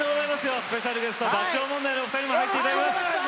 スペシャルゲストとして爆笑問題のお二人にお越しいただきました。